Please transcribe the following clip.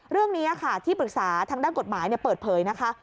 เรื่องนี้ค่ะที่ปรึกษาทางด้านกฎหมายเปิดเผยนะคะ